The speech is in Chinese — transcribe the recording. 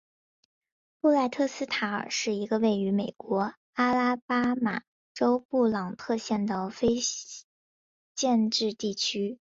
布赖特斯塔尔是一个位于美国阿拉巴马州布朗特县的非建制地区。